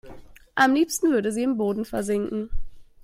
Am liebsten würde sie im Boden versinken.